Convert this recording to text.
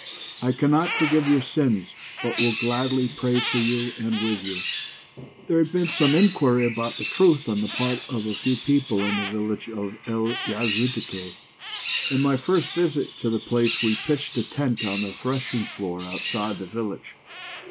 I cannot forgive your sins, but will gladly pray for you and with you." There had been some inquiry about the truth on the part of a few people in the village of El Yazidiyeh. In my first visit to the place we pitched a tent on the threshing floor outside the village.